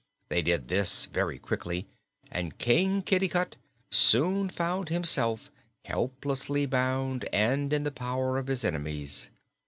This they did very quickly and King Kitticut soon found himself helplessly bound and in the power of his enemies.